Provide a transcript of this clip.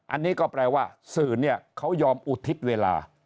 อันนี้ก็แปลว่าสื่อเนี่ยเขายอมอุทิศเวลา